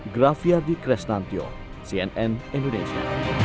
graf yardi kresnantyo cnn indonesia